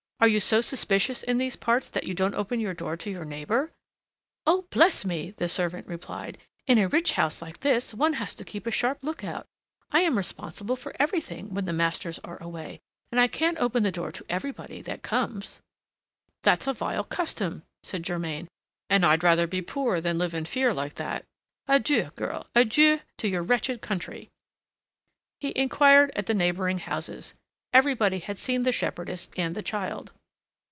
"Are you so suspicious in these parts that you don't open your door to your neighbor?" "Oh! bless me!" the servant replied, "in a rich house like this, one has to keep a sharp lookout. I am responsible for everything when the masters are away, and I can't open the door to everybody that comes." "That's a vile custom," said Germain, "and I'd rather be poor than live in fear like that. Adieu, girl! adieu to your wretched country!" He inquired at the neighboring houses. Everybody had seen the shepherdess and the child.